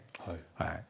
はい。